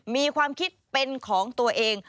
มีความคิดเป็นของตัวเอง